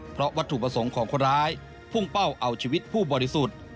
เพราะวัตถุประสงค์ของคนร้ายพุ่งเป้าเอาชีวิตผู้บริสุทธิ์